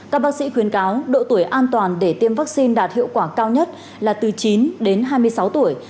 các bác sĩ khuyến cáo độ tuổi an toàn để tiêm vaccine đạt hiệu quả cao nhất là từ chín đến hai mươi sáu tuổi